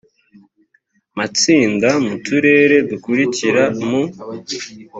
matsinda mu turere dukurikira mu